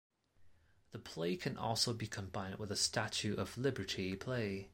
The play can also be combined with a Statue of Liberty play.